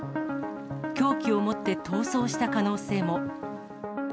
凶器を持って逃走した可能性も。